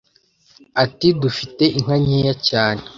ati «Dufite inka nkeya cyane,